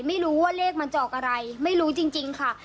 ไม่รู้ว่าเลขมันจอกอะไรไม่รู้จริงค่ะ